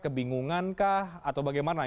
kebingungankah atau bagaimana